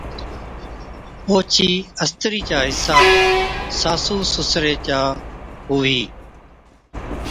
اوڇِي استرِي چا حصا ساسُو سُسري چا ھُوھِي